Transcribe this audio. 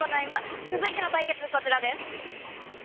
続いての対決、こちらです。